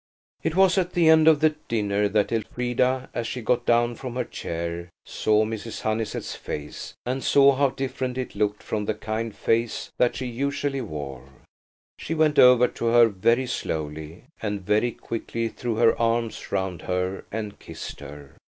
It was at the end of dinner that Elfrida, as she got down from her chair, saw Mrs. Honeysett's face, and saw how different it looked from the kind face that she usually wore. She went over to her very slowly, and very quickly threw her arms round her and kissed her.